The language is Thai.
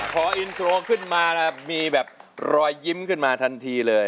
พออินโทรขึ้นมามีแบบรอยยิ้มขึ้นมาทันทีเลย